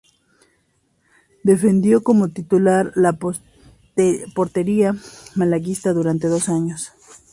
Defendió como titular la portería malaguista durante dos años.